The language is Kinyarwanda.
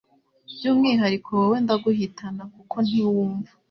byumwihariko wowe ndaguhitana kuko ntiwumva